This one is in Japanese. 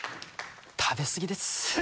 食べ過ぎです。